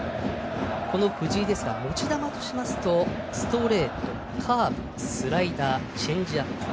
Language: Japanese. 藤井、持ち球としますとストレート、カーブスライダー、チェンジアップ